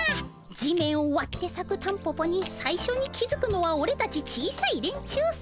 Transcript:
地面をわってさくタンポポにさいしょに気づくのはオレたち小さい連中さ。